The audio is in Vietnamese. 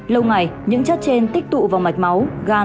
lâu ngày những chất trên tích tụ vào mạch máu gan